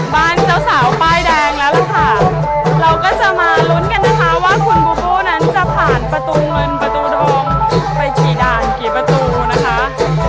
พระเจ้าสาวต้าแดงแล้วค่ะเราก็จะมาลุ้นกันนะคะว่าคุณบุคุณั้นจะผ่านประตูเมืองประตูดมไปกี่ด้านกี่ประตูนะคะ